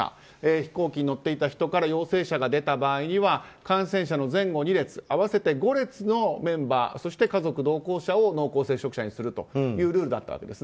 飛行機に乗っていた人から陽性者が出た場合には感染者の前後２列合わせて５列のメンバーそして家族、同行者を濃厚接触者にするというルールだったわけです。